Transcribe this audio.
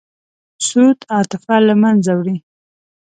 سود عاطفه له منځه وړي.